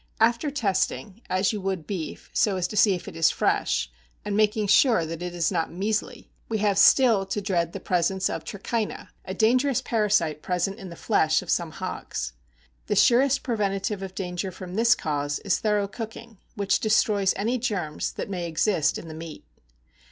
After testing, as you would beef, so as to see if it is fresh, and making sure that it is not measly, we have still to dread the presence of TRICHINA, a dangerous parasite present in the flesh of some hogs. The surest preventive of danger from this cause is thorough cooking, which destroys any germs that may exist in the meat.